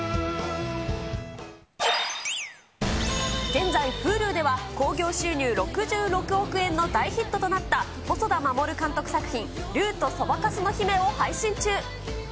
現在、Ｈｕｌｕでは興行収入６６億円の大ヒットとなった細田守監督作品、竜とそばかすの姫を配信中。